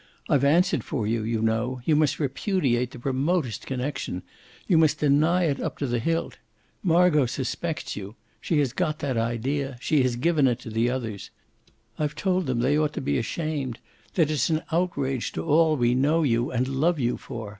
I've answered for you, you know; you must repudiate the remotest connexion; you must deny it up to the hilt. Margot suspects you she has got that idea she has given it to the others. I've told them they ought to be ashamed, that it's an outrage to all we know you and love you for.